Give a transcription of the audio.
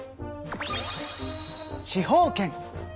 司法権。